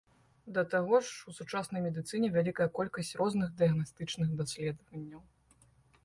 Да таго ж, у сучаснай медыцыне вялікая колькасць розных дыягнастычных даследаванняў.